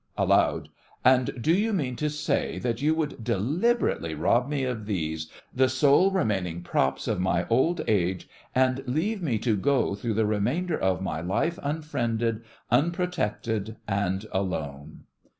(aloud) And do you mean to say that you would deliberately rob me of these, the sole remaining props of my old age, and leave me to go through the remainder of my life unfriended, unprotected, and alone?